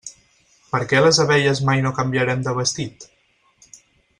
Per què les abelles mai no canviarem de vestit?